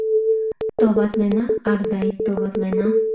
— Товатлена, Ардай, товатлена!